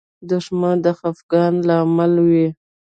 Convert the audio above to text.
دښمن د خفګان لامل وي